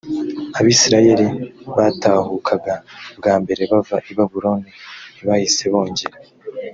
abisirayeli batahukaga bwa mbere bava i babuloni ntibahise bongera